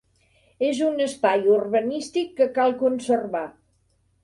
És un espai urbanístic que cal conservar.